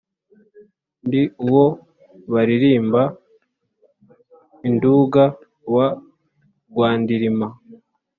Ndi uwo baririmba i Nduga wa Rwandirima